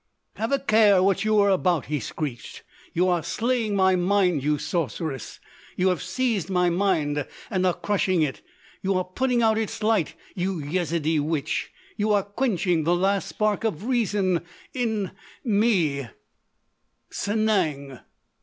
"Have a care what you are about!" he screeched. "You are slaying my mind, you sorceress! You have seized my mind and are crushing it! You are putting out its light, you Yezidee witch!—you are quenching the last spark—of reason—in—me——" "Sanang!"